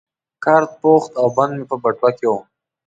کارت پوښ او بند مې په بټوه کې وو.